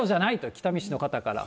北見市の方から。